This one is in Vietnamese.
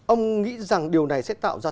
ông nghĩ rằng điều này sẽ tạo ra